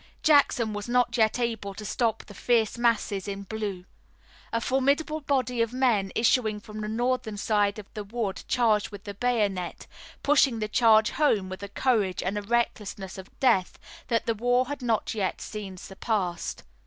Jackson was not yet able to stop the fierce masses in blue. A formidable body of men issuing from the Northern side of the wood charged with the bayonet, pushing the charge home with a courage and a recklessness of death that the war had not yet seen surpassed.